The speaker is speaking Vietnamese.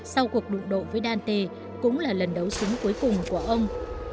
sau cuộc đụng độ với dante cũng là lần đấu súng cuối cùng của ông